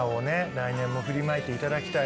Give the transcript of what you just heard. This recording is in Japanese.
来年も振りまいていただきたい。